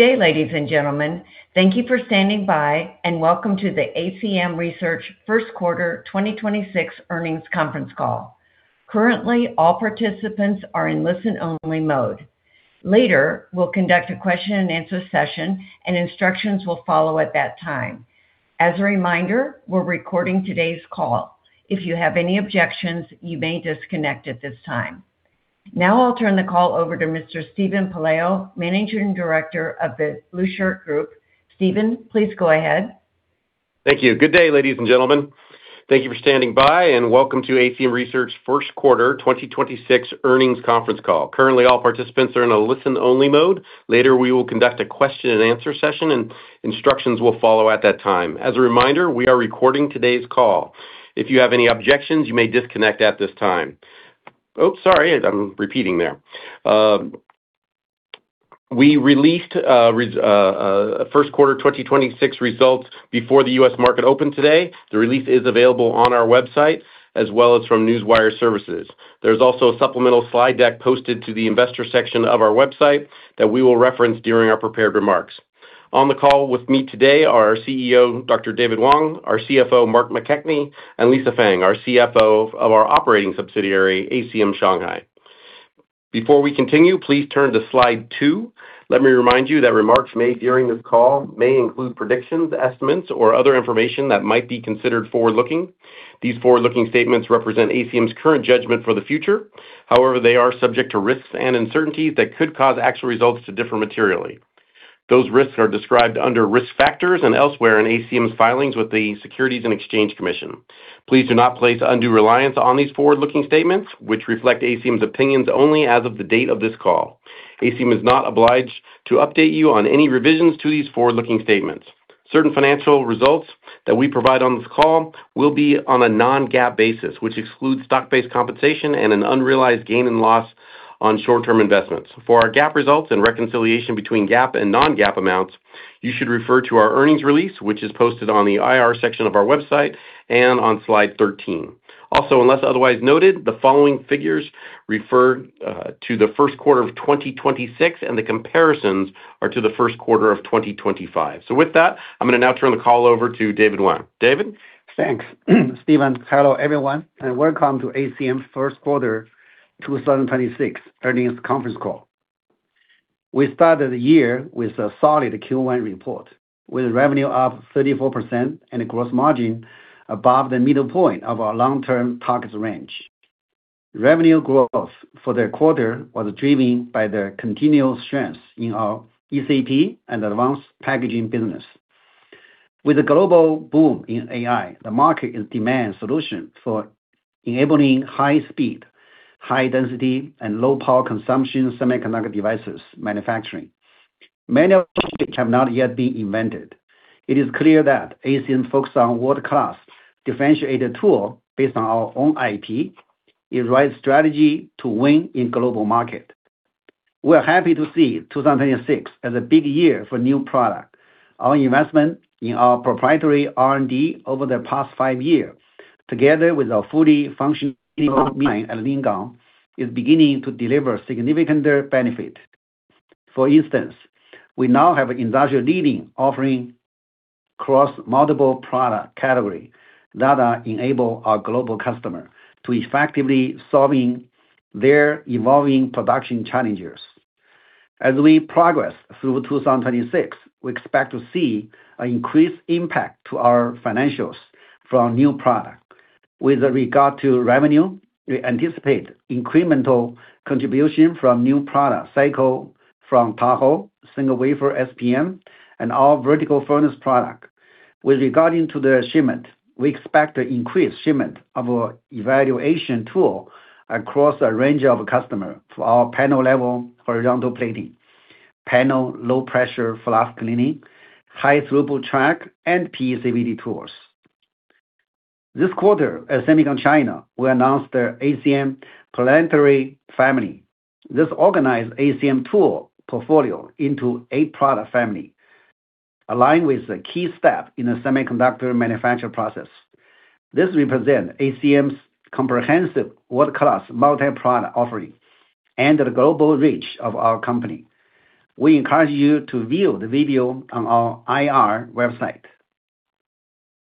Good day, ladies and gentlemen. Thank you for standing by. Welcome to the ACM Research First Quarter 2026 earnings conference call. Currently, all participants are in listen-only mode. Later, we'll conduct a question and answer session, and instructions will follow at that time. As a reminder, we're recording today's call. If you have any objections, you may disconnect at this time. Now I'll turn the call over to Mr. Steven Pelayo, Managing Director of The Blueshirt Group. Steven, please go ahead. Thank you. Good day, ladies and gentlemen. Thank you for standing by. Welcome to ACM Research First Quarter 2026 earnings conference call. Currently, all participants are in a listen-only mode. Later, we will conduct a question and answer session. Instructions will follow at that time. As a reminder, we are recording today's call. If you have any objections, you may disconnect at this time. Sorry, I'm repeating there. We released first quarter 2026 results before the U.S. market opened today. The release is available on our website, as well as from Newswire Services. There's also a supplemental slide deck posted to the investor section of our website that we will reference during our prepared remarks. On the call with me today are our CEO, Dr. David Wang, our CFO, Mark McKechnie, and Lisa Feng, our CFO of our operating subsidiary, ACM Shanghai. Before we continue, please turn to slide two. Let me remind you that remarks made during this call may include predictions, estimates, or other information that might be considered forward-looking. These forward-looking statements represent ACM's current judgment for the future. They are subject to risks and uncertainties that could cause actual results to differ materially. Those risks are described under Risk Factors and elsewhere in ACM's filings with the Securities and Exchange Commission. Please do not place undue reliance on these forward-looking statements, which reflect ACM's opinions only as of the date of this call. ACM is not obliged to update you on any revisions to these forward-looking statements. Certain financial results that we provide on this call will be on a non-GAAP basis, which excludes stock-based compensation and an unrealized gain and loss on short-term investments. For our GAAP results and reconciliation between GAAP and non-GAAP amounts, you should refer to our earnings release, which is posted on the IR section of our website and on slide 13. Also, unless otherwise noted, the following figures refer to the first quarter of 2026, and the comparisons are to the first quarter of 2025. With that, I'm gonna now turn the call over to David Wang. David? Thanks, Steven. Hello, everyone, and welcome to ACM's first quarter 2026 earnings conference call. We started the year with a solid Q1 report, with revenue up 34% and gross margin above the middle point of our long-term targets range. Revenue growth for the quarter was driven by the continual strength in our ECP and advanced packaging business. With a global boom in AI, the market is demanding solution for enabling high speed, high density, and low power consumption semiconductor devices manufacturing. Many of which have not yet been invented. It is clear that ACM's focus on world-class differentiated tool based on our own IP is right strategy to win in global market. We are happy to see 2026 as a big year for new product. Our investment in our proprietary R&D over the past five years, together with our fully functioning at Lingang, is beginning to deliver significant benefit. For instance, we now have industry-leading offering across multiple product category that enable our global customer to effectively solving their evolving production challenges. As we progress through 2026, we expect to see an increased impact to our financials from new product. With regard to revenue, we anticipate incremental contribution from new product cycle from Tahoe, single wafer SPM, and our vertical furnace product. With regarding to the shipment, we expect an increased shipment of our evaluation tool across a range of customer for our panel level, horizontal plating, panel low pressure flux cleaning, high throughput track, and PECVD tools. This quarter, at SEMICON China, we announced the ACM Planetary Family. This organized ACM tool portfolio into eight product family, aligned with the key step in the semiconductor manufacture process. This represent ACM's comprehensive world-class multi-product offering and the global reach of our company. We encourage you to view the video on our IR website.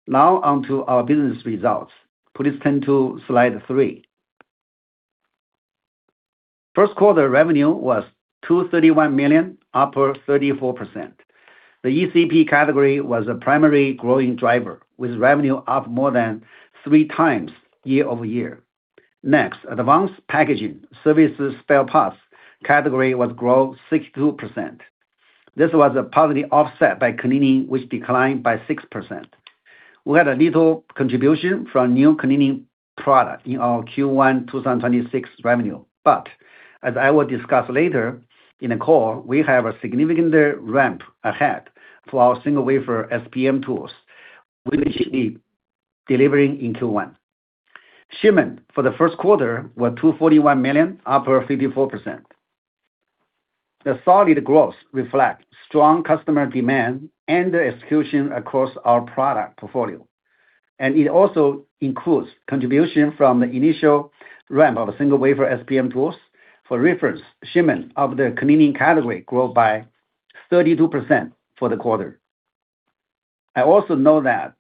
Now onto our business results. Please turn to slide three. First quarter revenue was $231 million, up 34%. The ECP category was a primary growing driver, with revenue up more than three times year-over-year. Next, advanced packaging services spare parts category was grow 62%. This was partly offset by cleaning, which declined by 6%. We had a little contribution from new cleaning product in our Q1 2026 revenue. But as I will discuss later in the call, we have a significant ramp ahead for our single wafer SPM tools, which we delivering in Q1. Shipment for the first quarter were $241 million, up 54%. The solid growth reflect strong customer demand and execution across our product portfolio. It also includes contribution from the initial ramp of a single-wafer SPM tools. For reference, shipments of the cleaning category grew by 32% for the quarter. I also know that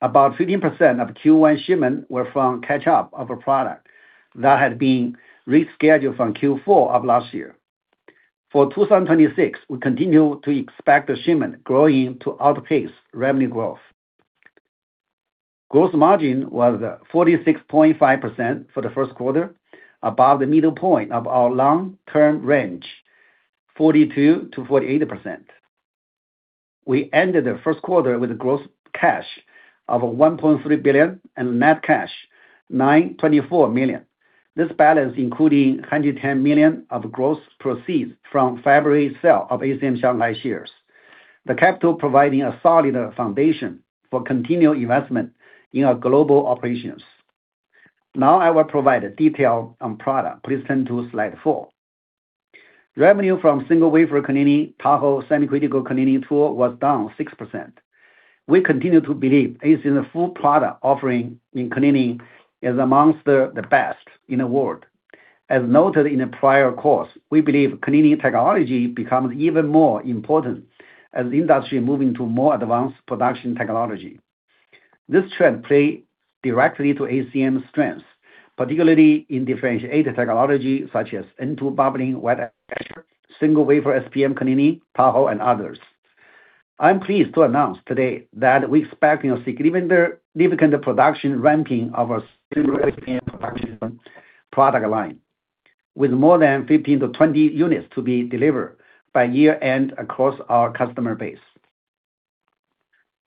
about 15% of Q1 shipments were from catch-up of a product that had been rescheduled from Q4 of last year. For 2026, we continue to expect the shipment growing to outpace revenue growth. Gross margin was 46.5% for the first quarter, above the middle point of our long-term range, 42%-48%. We ended the first quarter with a gross cash of $1.3 billion and net cash $924 million. This balance including $110 million of gross proceeds from February sale of ACM Shanghai shares. The capital providing a solid foundation for continued investment in our global operations. I will provide detail on product. Please turn to slide four. Revenue from single-wafer cleaning Tahoe semi-critical cleaning tool was down 6%. We continue to believe ACM's full product offering in cleaning is amongst the best in the world. As noted in a prior calls, we believe cleaning technology becomes even more important as the industry moving to more advanced production technology. This trend play directly to ACM's strengths, particularly in differentiated technology such as N2 bubbling wet etcher, single-wafer SPM cleaning, Tahoe, and others. I'm pleased to announce today that we expect significant production ramping of our single-wafer SPM production product line, with more than 15-20 units to be delivered by year-end across our customer base.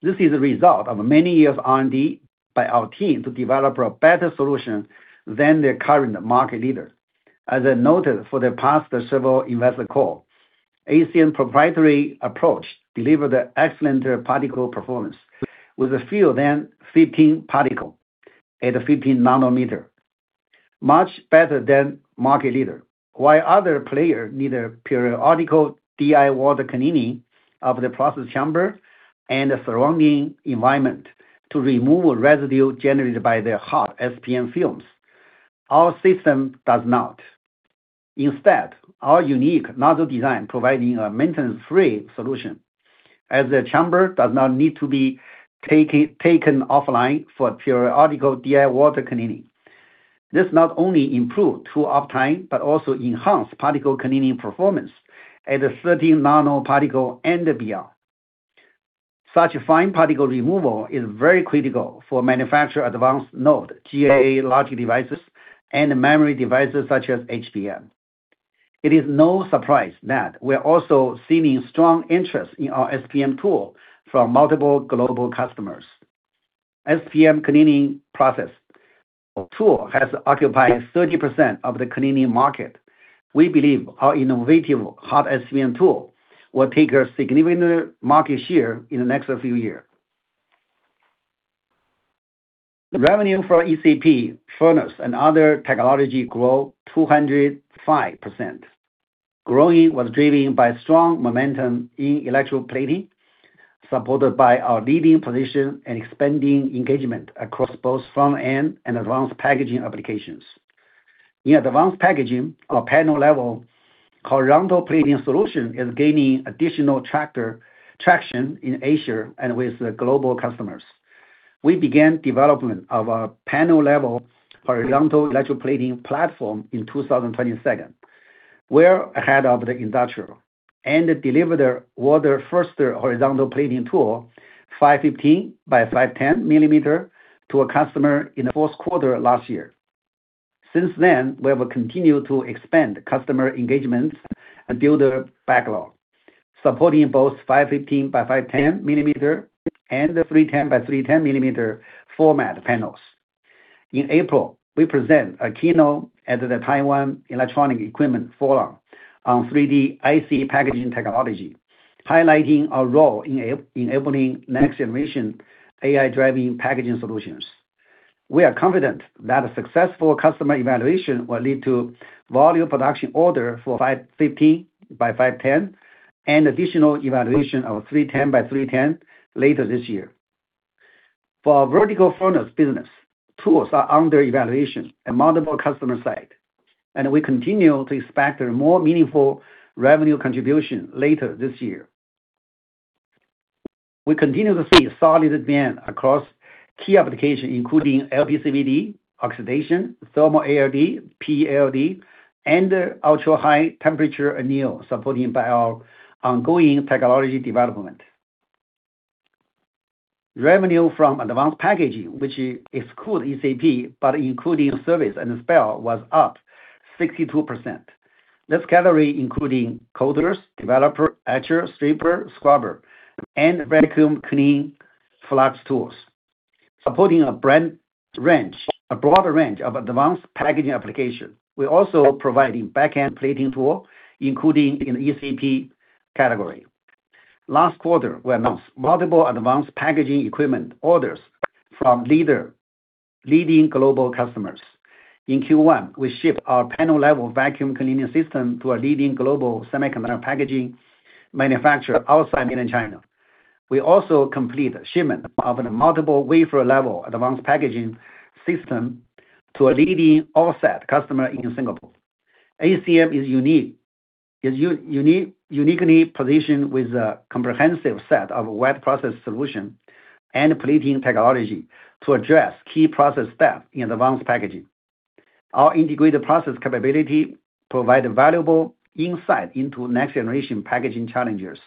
This is a result of many years of R&D by our team to develop a better solution than the current market leader. As I noted for the past several investor calls, ACM's proprietary approach delivers the excellent particle performance with fewer than 15 particles at a 15 nm. Much better than market leader. While other players need a periodic DI water cleaning of the process chamber and the surrounding environment to remove residue generated by their hot SPM fumes, our system does not. Instead, our unique nozzle design provides a maintenance-free solution, as the chamber does not need to be taken offline for periodic DI water cleaning. This not only improve tool uptime, but also enhance particle cleaning performance at a 13 nano particle and beyond. Such fine particle removal is very critical for manufacture advanced node, GAA logic devices, and memory devices such as HBM. It is no surprise that we are also seeing strong interest in our SPM tool from multiple global customers. SPM cleaning process tool has occupied 30% of the cleaning market. We believe our innovative hot SPM tool will take a significant market share in the next few year. The revenue for ECP, furnace, and other technology grow 205%. Growing was driven by strong momentum in electroplating, supported by our leading position and expanding engagement across both front-end and advanced packaging applications. In advanced packaging or panel level, horizontal plating solution is gaining additional traction in Asia and with the global customers. We began development of a panel-level horizontal electroplating platform in 2022. We're ahead of the industrial, and delivered world first horizontal plating tool, 515 by 510 millimeter, to a customer in the fourth quarter last year. Since then, we have continued to expand customer engagements and build a backlog, supporting both 515 by 510 millimeter and 310 by 310 millimeter format panels. In April, we present a keynote at the Taiwan Electronic Equipment Forum on 3D IC packaging technology, highlighting our role enabling next-generation AI-driven packaging solutions. We are confident that a successful customer evaluation will lead to volume production order for 515 by 510 and additional evaluation of 310 by 310 later this year. For our vertical furnace business, tools are under evaluation at multiple customer site, and we continue to expect a more meaningful revenue contribution later this year. We continue to see solid demand across key applications, including LPCVD, oxidation, thermal ALD, PLD, and ultra-high temperature anneal, supported by our ongoing technology development. Revenue from advanced packaging, which excludes ECP, but including service and spare, was up 62%. This category including coaters, developer, etcher, stripper, scrubber, and vacuum clean flux tools, supporting a broader range of advanced packaging application. We're also providing back-end plating tool, including in ECP category. Last quarter, we announced multiple advanced packaging equipment orders from leading global customers. In Q1, we ship our panel-level vacuum cleaning system to a leading global semiconductor packaging manufacturer outside mainland China. We also complete shipment of a multiple wafer level advanced packaging system to a leading offset customer in Singapore. ACM is unique, is uniquely positioned with a comprehensive set of wet process solution and plating technology to address key process steps in advanced packaging. Our integrated process capability provide a valuable insight into next generation packaging challenges.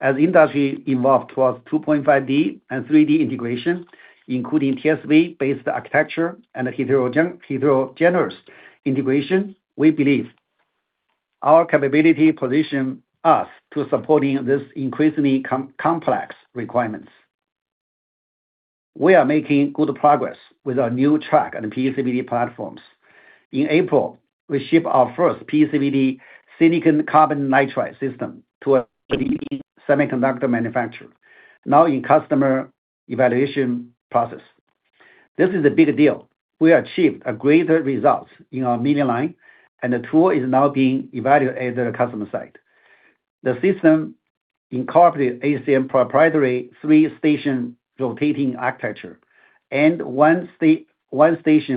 As industry evolve towards 2.5D and 3D integration, including TSV-based architecture and heterogeneous integration, we believe our capability position us to supporting this increasingly complex requirements. We are making good progress with our new track on the PECVD platforms. In April, we ship our first PECVD silicon carbonitride system to a leading semiconductor manufacturer, now in customer evaluation process. This is a big deal. We achieved a greater results in our mini-line, and the tool is now being evaluated at the customer site. The system incorporates ACM proprietary three-station rotating architecture and one station,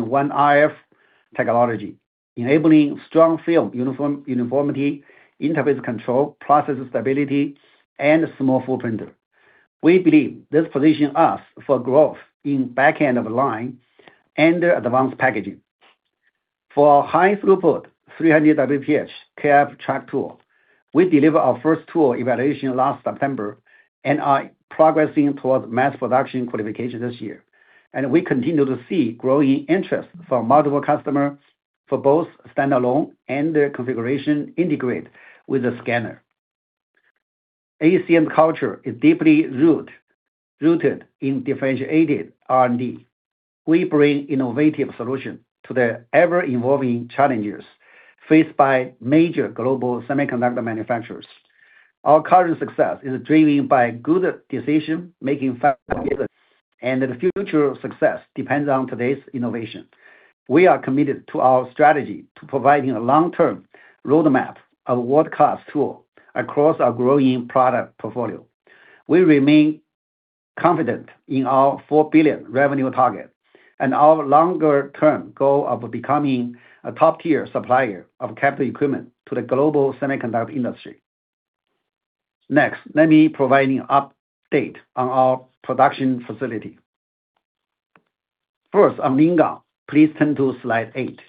one RF technology, enabling strong film uniformity, interface control, process stability, and small footprint. We believe this position us for growth in back-end-of-line and advanced packaging. For high throughput, 300 WPH KrF track tool, we deliver our first tool evaluation last September and are progressing towards mass production qualification this year. We continue to see growing interest from multiple customer for both standalone and their configuration integrate with the scanner. ACM culture is deeply rooted in differentiated R&D. We bring innovative solution to the ever-evolving challenges faced by major global semiconductor manufacturers. Our current success is driven by good decision-making, facts, and the future success depends on today's innovation. We are committed to our strategy to providing a long-term roadmap of world-class tool across our growing product portfolio. We remain confident in our $4 billion revenue target and our longer term goal of becoming a top-tier supplier of capital equipment to the global semiconductor industry. Let me provide an update on our production facility. First, on Lingang, please turn to slide eight.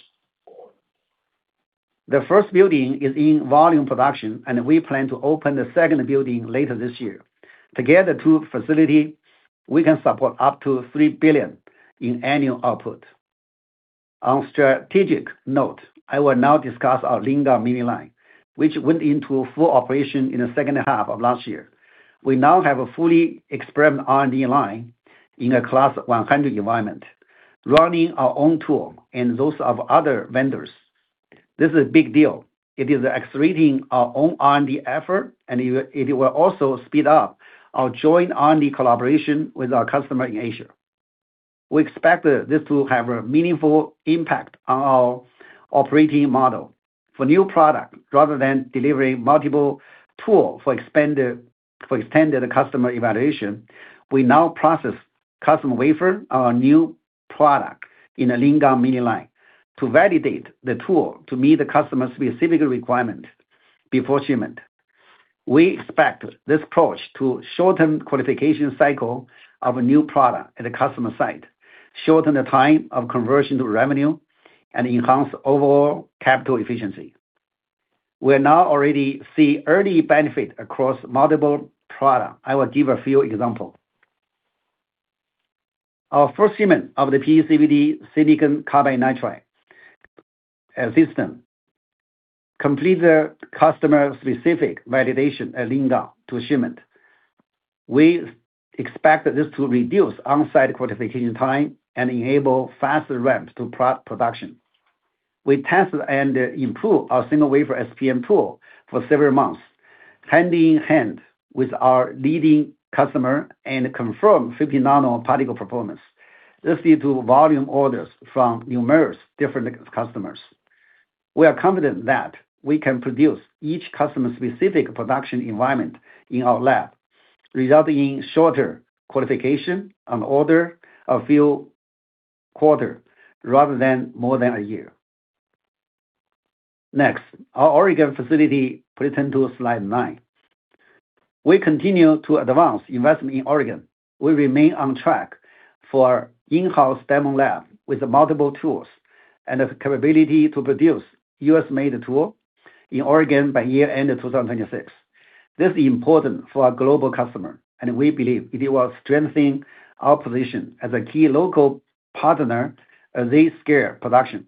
The first building is in volume production, and we plan to open the second building later this year. Together with two facilities, we can support up to $3 billion in annual output. On a strategic note, I will now discuss our Lingang mini-line, which went into full operation in the second half of last year. We now have a fully experimental R&D line in a Class 100 environment, running our own tool and those of other vendors. This is a big deal. It is accelerating our own R&D effort, and it will also speed up our joint R&D collaboration with our customer in Asia. We expect this to have a meaningful impact on our operating model. For new product, rather than delivering multiple tool for extended customer evaluation, we now process custom wafer on our new product in a Lingang mini-line to validate the tool to meet the customer's specific requirement before shipment. We expect this approach to shorten qualification cycle of a new product at a customer site, shorten the time of conversion to revenue, and enhance overall capital efficiency. We are now already see early benefit across multiple product. I will give a few example. Our first shipment of the PECVD silicon carbonitride system complete the customer-specific validation at Lingang to shipment. We expect this to reduce on-site qualification time and enable faster ramp to pro-production. We test and improve our single-wafer SPM tool for several months, hand in hand with our leading customer and confirm 50 nano particle performance. This led to volume orders from numerous different customers. We are confident that we can produce each customer-specific production environment in our lab, resulting in shorter qualification on the order of few quarter, rather than more than a year. Next, our Oregon facility. Please turn to slide nine. We continue to advance investment in Oregon. We remain on track for in-house demo lab with multiple tools and the capability to produce U.S.-made tool in Oregon by year end of 2026. This is important for our global customer, and we believe it will strengthen our position as a key local partner at this scale of production.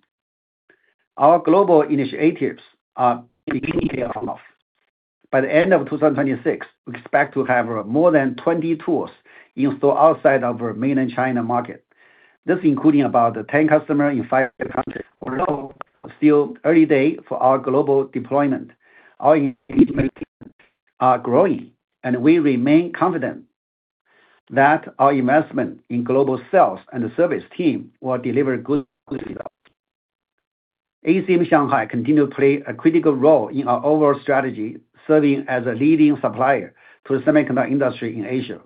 Our global initiatives are beginning to pay off. By the end of 2026, we expect to have more than 20 tools installed outside of our mainland China market. This including about 10 customer in five countries. Although still early day for our global deployment, our engagement team- are growing, and we remain confident that our investment in global sales and service team will deliver good results. ACM Shanghai continue to play a critical role in our overall strategy, serving as a leading supplier to the semiconductor industry in Asia,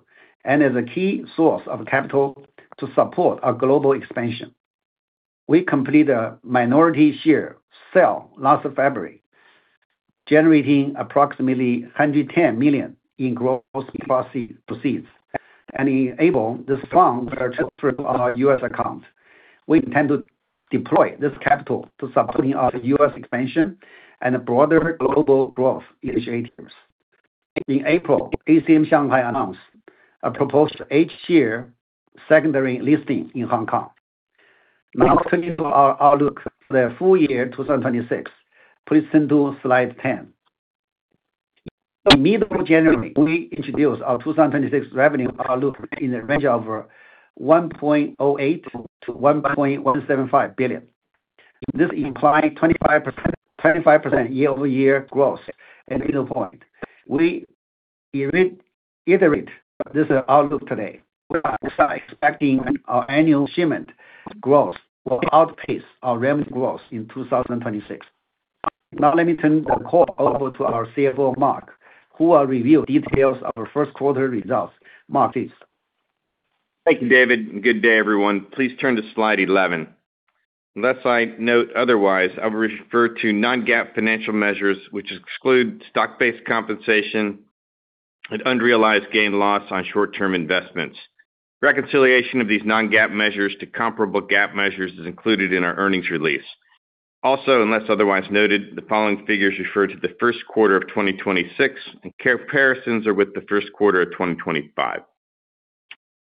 and as a key source of capital to support our global expansion. We completed a minority share sale last February, generating approximately $110 million in gross proceeds, and enable the strong of our U.S. accounts. We intend to deploy this capital to supporting our U.S. expansion and broader global growth initiatives. In April, ACM Shanghai announced a proposed H-share secondary listing in Hong Kong. Now turning to our outlook for the full year 2026. Please turn to slide 10. In mid-January, we introduced our 2026 revenue outlook in the range of $1.08 billion-$1.175 billion. This implies 25% year-over-year growth at the midpoint. We iterate this outlook today. We are expecting our annual shipment growth will outpace our revenue growth in 2026. Now let me turn the call over to our CFO, Mark McKechnie, who will review details of our first quarter results. Mark, it's yours. Thank you, David, good day, everyone. Please turn to slide 11. Unless I note otherwise, I will refer to non-GAAP financial measures, which exclude stock-based compensation and unrealized gain/loss on short-term investments. Reconciliation of these non-GAAP measures to comparable GAAP measures is included in our earnings release. Unless otherwise noted, the following figures refer to the first quarter of 2026, and comparisons are with the first quarter of 2025.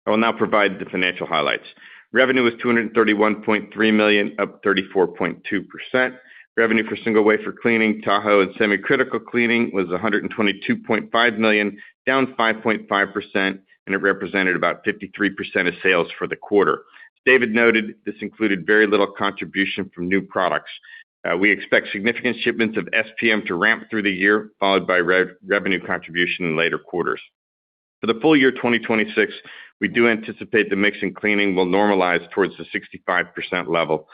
I will now provide the financial highlights. Revenue was $231.3 million, up 34.2%. Revenue for single wafer cleaning, Ultra C Tahoe and semi-critical cleaning was $122.5 million, down 5.5%, it represented about 53% of sales for the quarter. As David noted, this included very little contribution from new products. We expect significant shipments of SPM to ramp through the year, followed by revenue contribution in later quarters. For the full year 2026, we do anticipate the mix in cleaning will normalize towards the 65% level,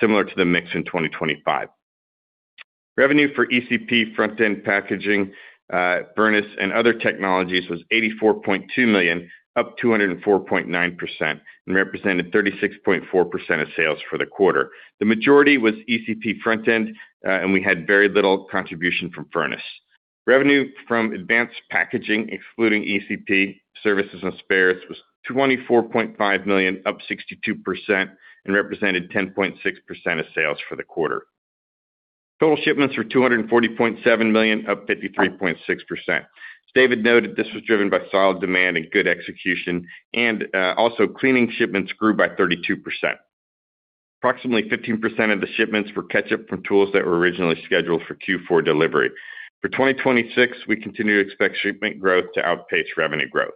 similar to the mix in 2025. Revenue for ECP, front-end packaging, furnace, and other technologies was $84.2 million, up 204.9%, and represented 36.4% of sales for the quarter. The majority was ECP front-end, and we had very little contribution from furnace. Revenue from advanced packaging, excluding ECP, services and spares, was $24.5 million, up 62%, and represented 10.6% of sales for the quarter. Total shipments were $240.7 million, up 53.6%. As David noted, this was driven by solid demand and good execution, and also cleaning shipments grew by 32%. Approximately 15% of the shipments were catch-up from tools that were originally scheduled for Q4 delivery. For 2026, we continue to expect shipment growth to outpace revenue growth.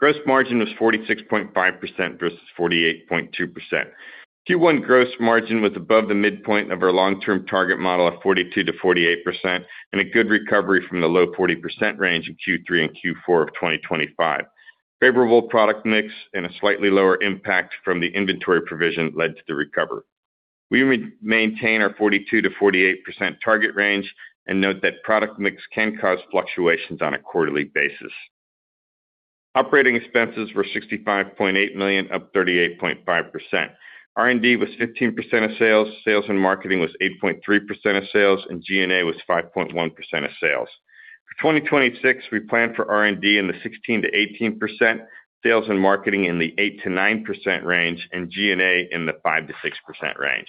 Gross margin was 46.5% versus 48.2%. Q1 gross margin was above the midpoint of our long-term target model of 42%-48%, and a good recovery from the low 40% range in Q3 and Q4 of 2025. Favorable product mix and a slightly lower impact from the inventory provision led to the recovery. We maintain our 42%-48% target range and note that product mix can cause fluctuations on a quarterly basis. Operating expenses were $65.8 million, up 38.5%. R&D was 15% of sales and marketing was 8.3% of sales, and G&A was 5.1% of sales. For 2026, we plan for R&D in the 16%-18%, sales and marketing in the 8%-9% range, and G&A in the 5%-6% range.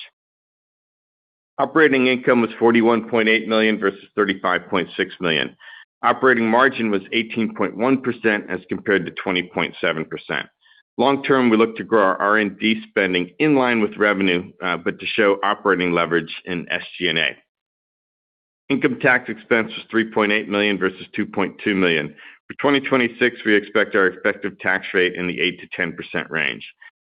Operating income was $41.8 million versus $35.6 million. Operating margin was 18.1% as compared to 20.7%. Long term, we look to grow our R&D spending in line with revenue, but to show operating leverage in SG&A. Income tax expense was $3.8 million versus $2.2 million. For 2026, we expect our effective tax rate in the 8%-10% range.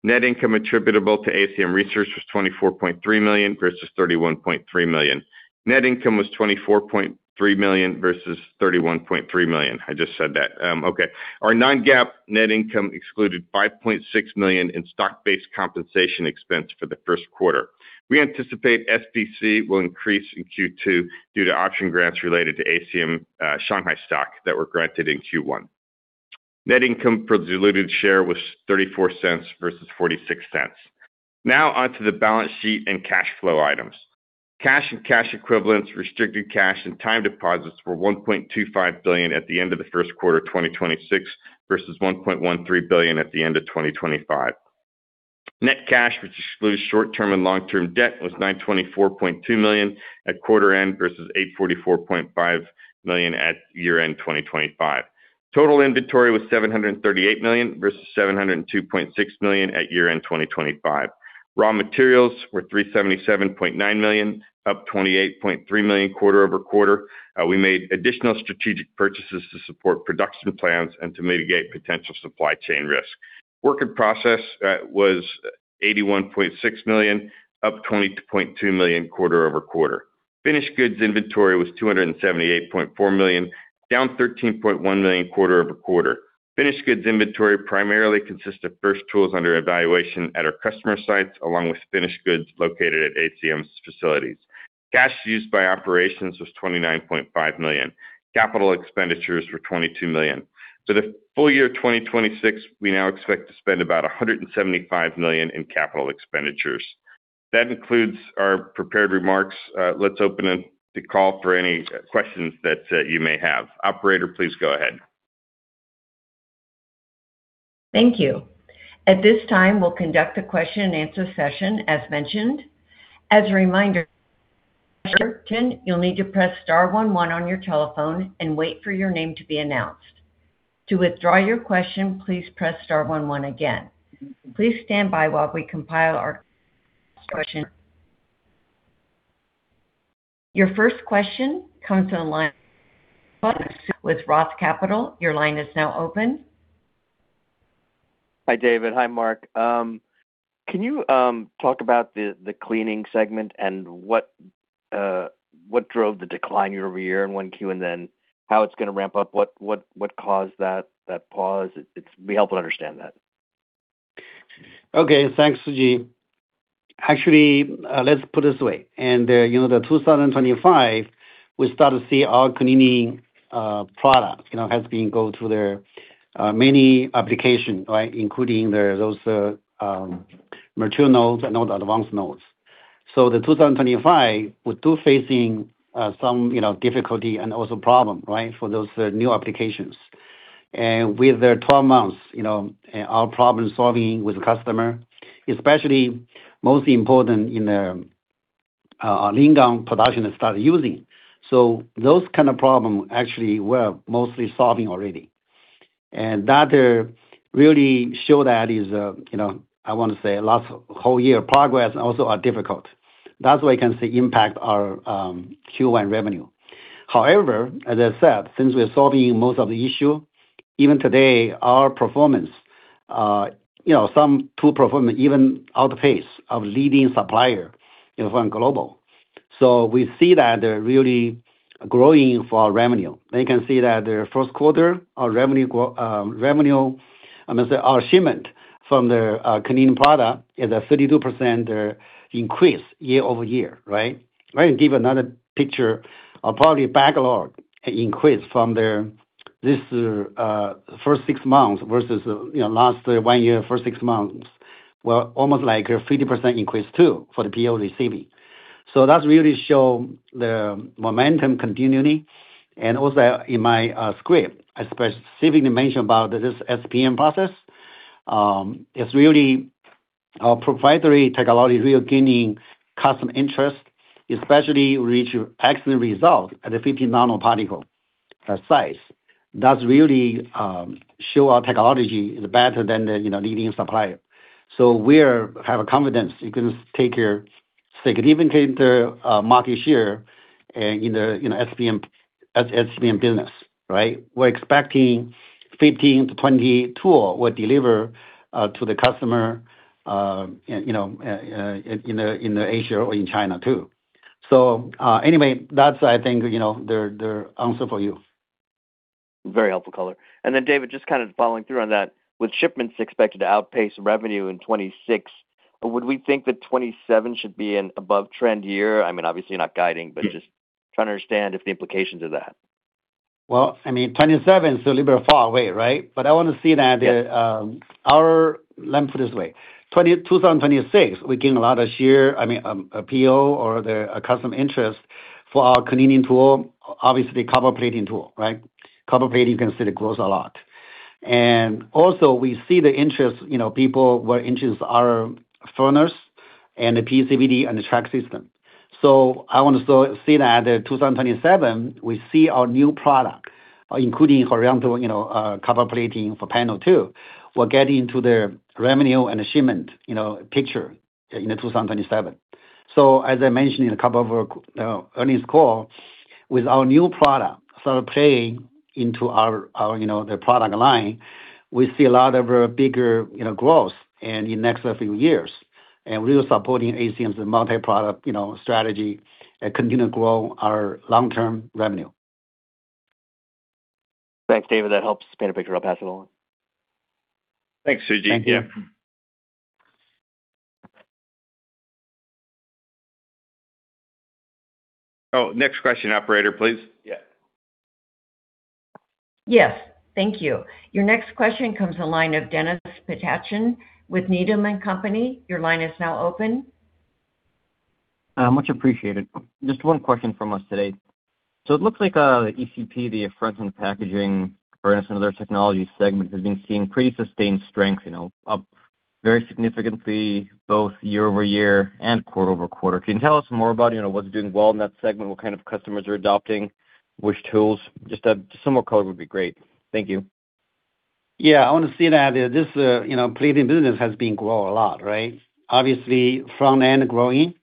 Net income attributable to ACM Research was $24.3 million versus $31.3 million. Net income was $24.3 million versus $31.3 million. I just said that. Okay. Our non-GAAP net income excluded $5.6 million in stock-based compensation expense for the first quarter. We anticipate SBC will increase in Q2 due to option grants related to ACM Shanghai stock that were granted in Q1. Net income per diluted share was $0.34 versus $0.46. Now on to the balance sheet and cash flow items. Cash and cash equivalents, restricted cash and time deposits were $1.25 billion at the end of the first quarter of 2026 versus $1.13 billion at the end of 2025. Net cash, which excludes short-term and long-term debt, was $924.2 million at quarter end versus $844.5 million at year-end 2025. Total inventory was $738 million versus $702.6 million at year-end 2025. Raw materials were $377.9 million, up $28.3 million quarter-over-quarter. We made additional strategic purchases to support production plans and to mitigate potential supply chain risk. Work in process was $81.6 million, up $22.2 million quarter-over-quarter. Finished goods inventory was $278.4 million, down $13.1 million quarter-over-quarter. Finished goods inventory primarily consists of first tools under evaluation at our customer sites along with finished goods located at ACM's facilities. Cash used by operations was $29.5 million. Capital expenditures were $22 million. For the full year 2026, we now expect to spend about $175 million in capital expenditures. That concludes our prepared remarks. Let's open it to call for any questions that you may have. Operator, please go ahead. Thank you. At this time, we'll conduct a question and answer session as mentioned. As a reminder, you'll need to press star one one on your telephone and wait for your name to be announced. To withdraw your question, please press star one one again. Please stand by while we compile our roster. Your first question comes on the line from Suji DeSilva with Roth Capital. Hi, David. Hi, Mark. Can you talk about the cleaning segment and what drove the decline year-over-year in 1Q, and then how it's gonna ramp up? What caused that pause? Be helpful to understand that. Okay. Thanks, Suji. Actually, let's put it this way. You know, 2025, we start to see our cleaning product, you know, has been go through the many application, right? Including those mature nodes and all the advanced nodes. 2025, we're still facing some, you know, difficulty and also problem, right? For those new applications. With the 12 months, you know, our problem-solving with the customer, especially most important in the our Lingang production has started using. Those kind of problem actually we're mostly solving already. That really show that is, you know, I want to say last whole year progress also are difficult. That's why you can see impact our Q1 revenue. However, as I said, since we're solving most of the issue, even today, our performance, you know, some tool performance even outpace of leading supplier, you know, from global. We see that really growing for our revenue. You can see that the first quarter, our revenue grow, revenue, I must say our shipment from the cleaning product is a 32% increase year-over-year, right? Right. Give another picture of probably backlog increase from this first six months versus, you know, last one year, first six months were almost like a 50% increase too for the PO receiving. That really show the momentum continuing. Also in my script, I specifically mentioned about this SPM process. It's really our proprietary technology really gaining customer interest, especially reach excellent result at a 50 nanoparticle size. That really show our technology is better than the, you know, leading supplier. We're have a confidence it can take a significant market share in the, in the SPM business, right? We're expecting 15-20 tool will deliver to the customer, you know, in the Asia or in China too. Anyway, that's I think, you know, the answer for you. Very helpful color. David, just kind of following through on that, with shipments expected to outpace revenue in 2026, would we think that 2027 should be an above trend year? I mean, obviously you're not guiding, but just trying to understand if the implications of that. Well, I mean, 2027 is a little bit far away, right? I wanna say that, let me put it this way. 2026, we gain a lot of share, I mean, PO or the customer interest for our cleaning tool, obviously copper plating tool, right? Copper plating, you can see the growth a lot. Also we see the interest, you know, people were interested our furnace and the PECVD and the track system. I want to see that 2027, we see our new product, including horizontal, you know, copper plating for panel two, will get into the revenue and the shipment, you know, picture in 2027. As I mentioned in a couple of earnings call, with our new product start playing into our, you know, the product line, we see a lot of bigger, you know, growth in the next few years. Really supporting ACM's multi-product, you know, strategy and continue to grow our long-term revenue. Thanks, David. That helps paint a picture. I will pass it along. Thanks, Suji. Yeah. Thank you. Oh, next question, operator, please. Yeah. Yes. Thank you. Your next question comes the line of Denis Pyatchanin with Needham & Company. Your line is now open. Much appreciated. Just one question from us today. It looks like ECP, the front-end packaging furnace and other technology segment has been seeing pretty sustained strength, you know, up very significantly both year-over-year and quarter-over-quarter. Can you tell us more about, you know, what's doing well in that segment? What kind of customers are adopting which tools? Just some more color would be great. Thank you. Yeah. I want to say that this, you know, plating business has been grow a lot, right? Obviously, front-end growing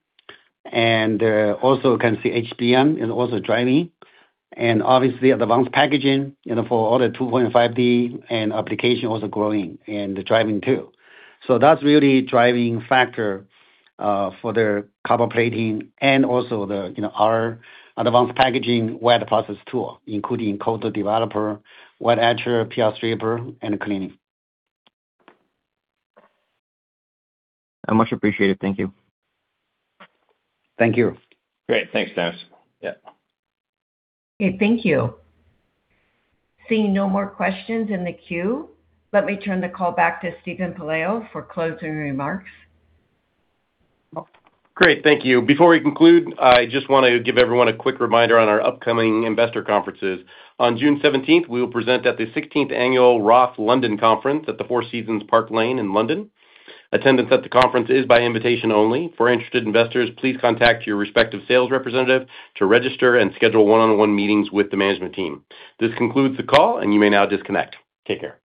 and also can see HBM is also driving. Obviously advanced packaging, you know, for all the 2.5D and application also growing and driving too. That's really driving factor for the copper plating and also the, you know, our advanced packaging wet process tool, including coater developer, wet etcher, PR stripper and cleaning. Much appreciated. Thank you. Thank you. Great. Thanks, Denis. Yeah. Okay. Thank you. Seeing no more questions in the queue, let me turn the call back to Steven Pelayo for closing remarks. Great. Thank you. Before we conclude, I just want to give everyone a quick reminder on our upcoming investor conferences. On June 17th, we will present at the 16th Annual Roth London Conference at the Four Seasons Park Lane in London. Attendance at the conference is by invitation only. For interested investors, please contact your respective sales representative to register and schedule one-on-one meetings with the management team. This concludes the call, and you may now disconnect. Take care.